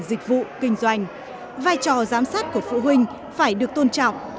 dịch vụ kinh doanh vai trò giám sát của phụ huynh phải được tôn trọng